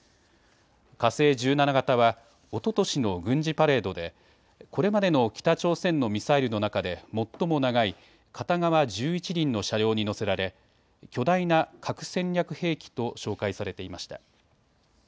火星１７型はおととしの軍事パレードでこれまでの北朝鮮のミサイルの中で最も長い片側１１輪の車両に載せられ巨大な核戦略兵器と紹介されていました。